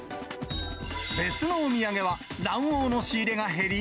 別のお土産は、卵黄の仕入れが減り。